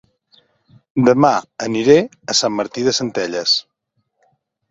Dema aniré a Sant Martí de Centelles